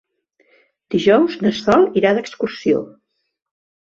Dijous na Sol irà d'excursió.